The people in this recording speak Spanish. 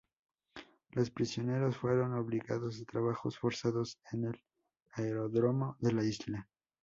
Los prisioneros fueron obligados a trabajos forzados en el aeródromo de la isla.